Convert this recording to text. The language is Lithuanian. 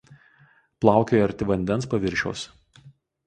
Plaukioja arti vandens paviršiaus.